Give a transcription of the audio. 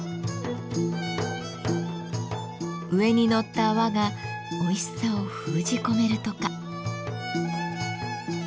上にのった泡がおいしさを封じ込めるとか。